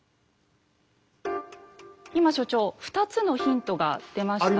今所長２つのヒントが出ましたよね。